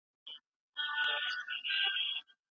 نصوار د خولې سرطان هم رامنځ ته کوي.